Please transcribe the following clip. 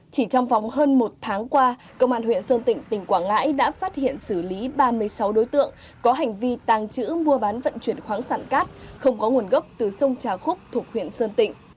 chỉ trong vòng hơn một tháng qua công an huyện sơn tịnh tỉnh quảng ngãi đã phát hiện xử lý ba mươi sáu đối tượng có hành vi tàng trữ mua bán vận chuyển khoáng sản cát không có nguồn gốc từ sông trà khúc thuộc huyện sơn tịnh